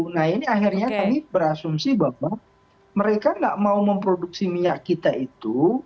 nah ini akhirnya kami berasumsi bahwa mereka tidak mau memproduksi minyak kita itu